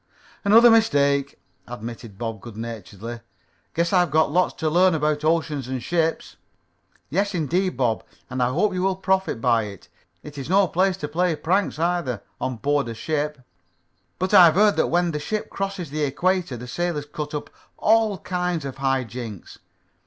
"Another mistake," admitted Bob, good naturedly. "Guess I've got lots to learn about the ocean and ships." "Yes indeed, Bob. And I hope you will profit by it. It is no place to play pranks, either, on board a ship." "But I've read that when the ship crosses the equator the sailors cut up all kinds of high jinks."